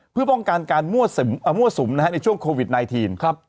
เพื่อป้องกันการมั่วสุ่มนะครับในช่วงโควิดไนทีนครับ